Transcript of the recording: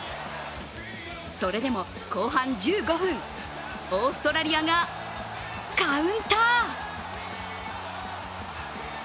それでも後半１５分オーストラリアがカウンター。